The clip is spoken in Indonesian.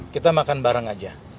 kita makan bareng aja